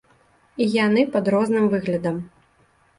Яны пад розным выглядам.